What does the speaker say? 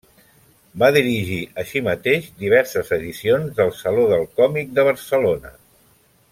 Va dirigir així mateix diverses edicions del Saló del Còmic de Barcelona.